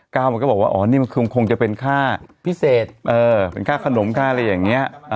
มันก็บอกว่าอ๋อนี่มันคงจะเป็นค่าพิเศษเป็นค่าขนมค่าอะไรอย่างนี้